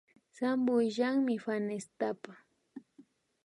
Sampo illanmi fanestapa